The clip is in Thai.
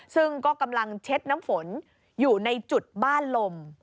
ซึ่งก็กำลังเช็ดน้ำฝนอยู่ในจุดบ้านลม